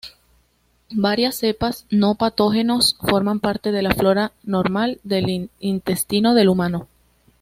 Varias cepas no patógenos forman parte de la flora normal del intestino del humano.